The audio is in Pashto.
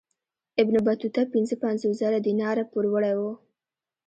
ابن بطوطه پنځه پنځوس زره دیناره پوروړی وو.